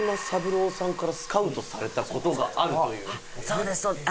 そうですそうです。